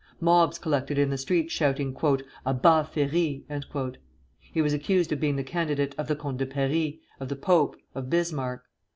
Mobs collected in the streets shouting "À bas Ferry!" He was accused of being the candidate of the Comte de Paris, of the pope, of Bismarck.